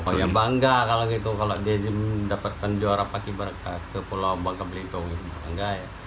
oh ya bangga kalau gitu kalau dia dapat penjuara pak ibraka ke pulau bangka belitung